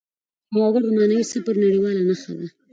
کیمیاګر د معنوي سفر نړیواله نښه ده.